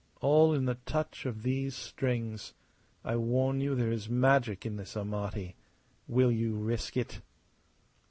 All in the touch of these strings. I warn you there is magic in this Amati. Will you risk it?"